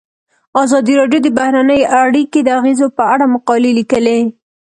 ازادي راډیو د بهرنۍ اړیکې د اغیزو په اړه مقالو لیکلي.